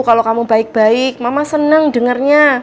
kalo kamu baik baik mama seneng dengernya